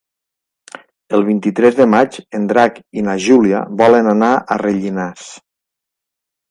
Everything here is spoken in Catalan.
El vint-i-tres de maig en Drac i na Júlia volen anar a Rellinars.